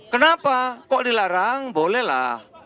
kenapa kok dilarang boleh lah